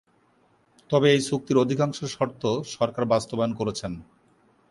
তবে এই চুক্তির অধিকাংশ শর্ত সরকার বাস্তবায়ন করেছেন।